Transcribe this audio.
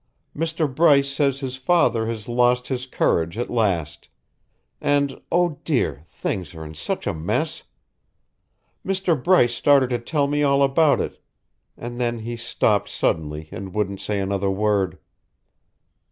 Mr. Bryce says his father has lost his courage at last; and oh, dear, things are in such a mess. Mr. Bryce started to tell me all about it and then he stopped suddenly and wouldn't say another word."